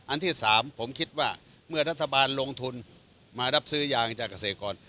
อันที่๓ผมคิดว่าเมื่อรัฐบาลลงทุนมารับซื้อยางจากเกษตรกร